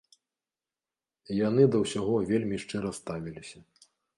Яны да ўсяго вельмі шчыра ставіліся.